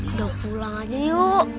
udah pulang aja yuk